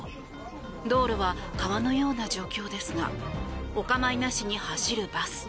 道路は川のような状況ですがお構いなしに走るバス。